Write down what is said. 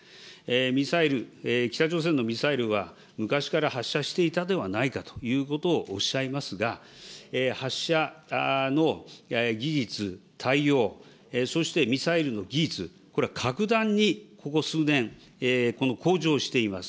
ミサイル、北朝鮮のミサイルは、昔から発射していたではないかということをおっしゃいますが、発射の技術、対応、そしてミサイルの技術、これは格段にここ数年、向上しています。